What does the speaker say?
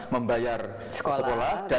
membayar sekolah dan